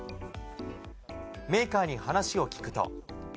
メーカーに話を聞くと。